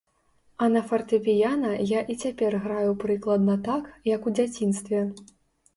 А на фартэпіяна я і цяпер граю прыкладна так, як у дзяцінстве.